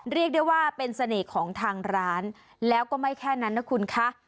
เรียกได้ว่าเป็นเสน่ห์ของทางร้านแล้วก็ไม่แค่นั้นนะคุณคะ